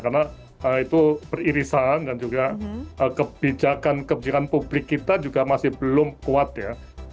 karena itu peririsan dan juga kebijakan kebijakan publik kita juga masih belum kuat ya